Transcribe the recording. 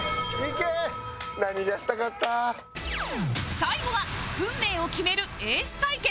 最後は運命を決めるエース対決